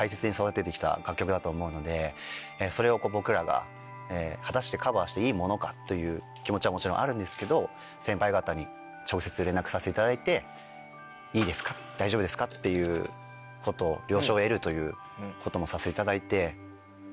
それを僕らが果たしてカバーしていいものかという気持ちはもちろんあるんですけど先輩方に直接連絡させていただいて「いいですか大丈夫ですか」っていうこと了承を得るということもさせていただいて。